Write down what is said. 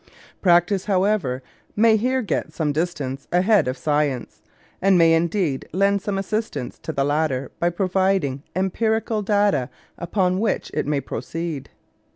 Practice, however, may here get some distance ahead of science, and may indeed lend some assistance to the latter by providing empirical data upon which it may proceed.